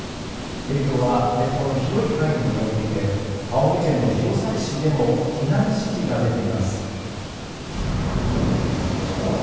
影響は列島の広い範囲に及んでいて青森県の弘前市でも避難指示が出ています。